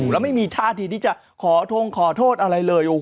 แล้วไม่มีท่าทีที่จะขอทงขอโทษอะไรเลย